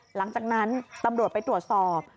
หลังจากนั้นตำรวจไปตรวจสอบ